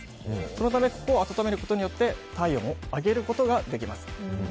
そのため、ここを温めることで体温を上げることができます。